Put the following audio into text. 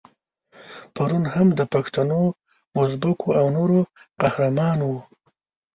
پرون هم د پښتنو، ازبکو او نورو قهرمان وو.